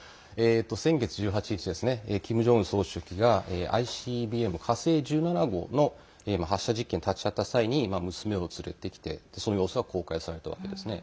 先月１８日キム・ジョンウン総書記がＩＣＢＭ「火星１７号」の発射実験に立ち会った際に娘を連れてきてその様子が公開されたわけですね。